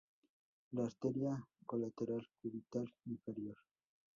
La arteria Colateral Cubital Inferior.